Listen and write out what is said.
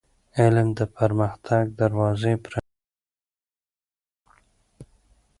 علم د پرمختګ دروازې پرانیزي.